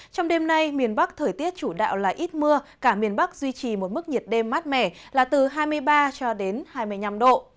trong đêm nay miền bắc thời tiết chủ đạo là ít mưa cả miền bắc duy trì một mức nhiệt đêm mát mẻ là từ hai mươi ba cho đến hai mươi năm độ